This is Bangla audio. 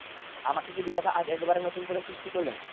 আমাকে কি বিধাতা আজ একেবারে নতুন করে সৃষ্টি করলেন?